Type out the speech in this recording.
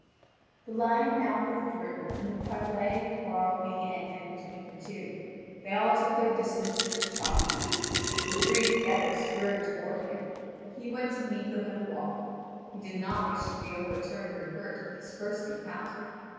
(Vv. 4475 4532.) The lion now withdrew, and the parley and quarrel being ended between them two, they all took their distance for the charge. The three together spurred toward him, and he went to meet them at a walk. He did not wish to be overturned or hurt at this first encounter.